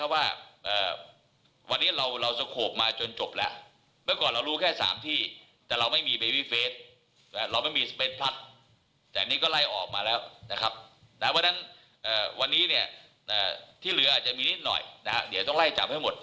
วันนี้ที่เหลืออาจจะมีนิดหน่อยเดี๋ยวต้องไล่จับให้หมด